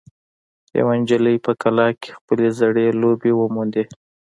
یوه نجلۍ په کلا کې خپلې زړې لوبې وموندې.